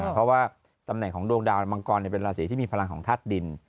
เพราะว่าตำแหน่งของดวงดาวมังกรเป็นราศีที่มีพลังของธาตุดิน